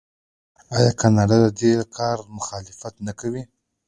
آیا کاناډا د دې کار مخالفت نه کوي؟